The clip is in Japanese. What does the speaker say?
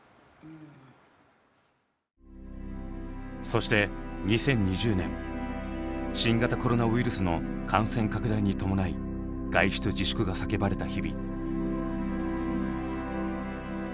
そして２０２０年新型コロナウイルスの感染拡大に伴い外出自粛が叫ばれた日々。